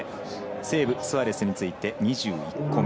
セーブ、スアレスについて１１個目。